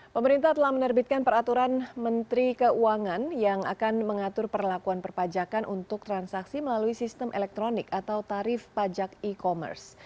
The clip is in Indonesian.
pemerintah telah menerbitkan peraturan menteri keuangan yang akan mengatur perlakuan perpajakan untuk transaksi melalui sistem elektronik atau tarif pajak e commerce